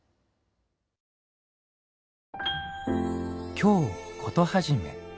「京コトはじめ」。